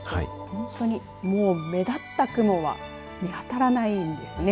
本当に目立った雲は見当たらないですね。